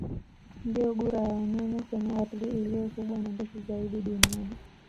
Ndiyo gura ya wanyama kwenye ardhi iliyo kubwa na ndefu zaidi duniani